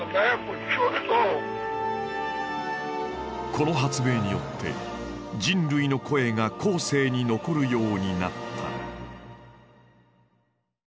この発明によって人類の声が後世に残るようになった。